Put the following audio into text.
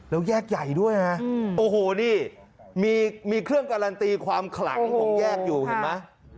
แล้วแยกใหญ่ด้วยนะโอ้โหนี่มีเครื่องการันตีความขลังของแยกอยู่เห็นไหม